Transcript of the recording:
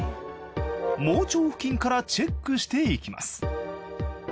盲腸付近からチェックしていきます